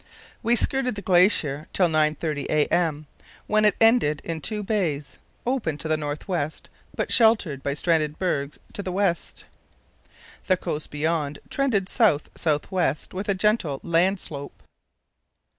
We skirted the glacier till 9.30 a.m., when it ended in two bays, open to the north west but sheltered by stranded bergs to the west. The coast beyond trended south south west with a gentle land slope.